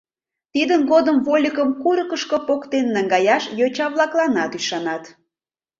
Тидын годым вольыкым курыкышко поктен наҥгаяш йоча-влакланат ӱшанат.